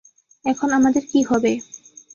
এখন আমাদের কী হবে?